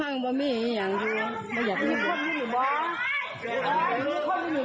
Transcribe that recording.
แน่นอน